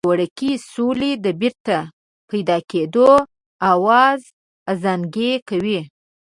د ورکې سولې د بېرته پیدا کېدو آواز ازانګې کوي.